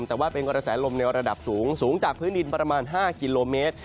แต่ว่าเป็นกระแสลมในระดับสูงสูงจากพื้นดินประมาณ๕กิโลเมตร